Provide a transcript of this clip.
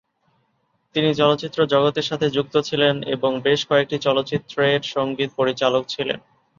তিনি চলচ্চিত্র জগতের সাথেও যুক্ত ছিলেন এবং বেশ কয়েকটি চলচ্চিত্রের সংগীত পরিচালক ছিলেন।